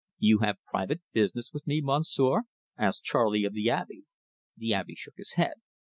"You have private business with me, Monsieur?" asked Charley of the Abbe. The Abbe shook his head.